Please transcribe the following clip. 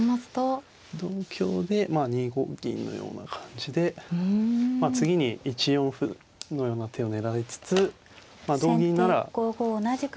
同香でまあ２五銀のような感じで次に１四歩のような手を狙いつつ同銀なら同桂と。